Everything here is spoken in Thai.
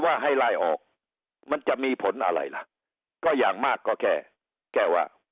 ว่าให้ไล่ออกมันจะมีผลอะไรล่ะก็อย่างมากก็แค่แค่ว่า